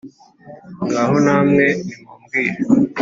Ngaho namwe nimumbwire